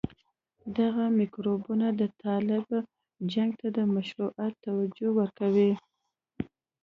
دغه میکروبونه د طالب جنګ ته د مشروعيت توجيه ورکوي.